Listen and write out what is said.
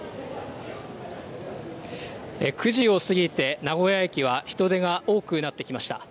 ９時を過ぎて名古屋駅は人出が多くなってきました。